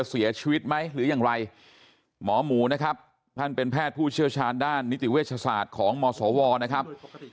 เสียชีวิตไหมหรืออย่างไรหมอหมูนะครับท่านเป็นแพทย์ผู้เชี่ยวชาญด้านนิติเวชศาสตร์ของมศวนะครับ